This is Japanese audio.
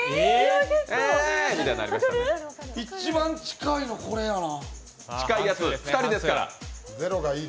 一番近いのこれやな。